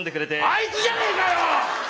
あいつじゃねえかよ！